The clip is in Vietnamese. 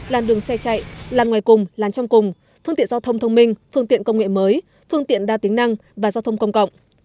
làn ngoài cùng làn trong cùng thương tiện giao thông thông minh thương tiện công nghệ mới thương tiện đa tính năng và giao thông công cộng